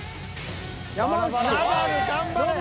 ナダル頑張れ。